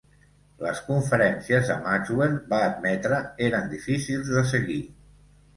Les conferències de Maxwell, va admetre, eren difícils de seguir.